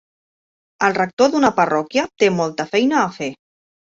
El rector d'una parròquia té molta feina a fer.